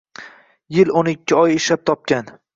Yil-o‘n ikki oy ishlab topgan